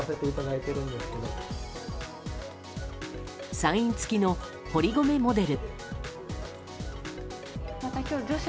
サイン付きの堀米モデル。